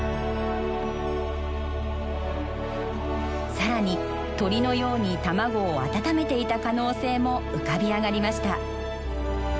更に鳥のように卵を温めていた可能性も浮かび上がりました。